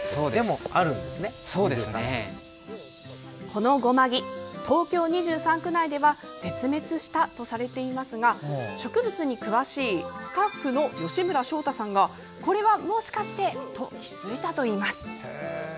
このゴマギ東京２３区内では絶滅したとされていますが植物に詳しいスタッフの吉村翔太さんがこれはもしかして？と気付いたといいます。